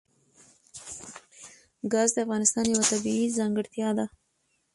ګاز د افغانستان یوه طبیعي ځانګړتیا ده.